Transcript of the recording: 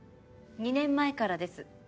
２年前からです。